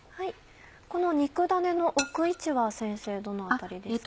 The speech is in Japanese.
この肉だねの置く位置は先生どの辺りですか？